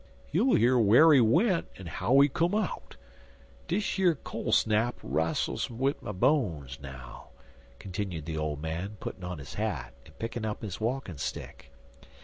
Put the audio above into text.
You'll year whar he went en how he come out. Dish yer col' snap rastles wid my bones, now," continued the old man, putting on his hat and picking up his walking stick.